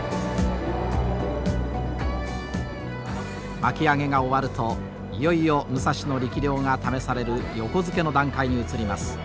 巻き上げが終わるといよいよ武蔵の力量が試される横付けの段階に移ります。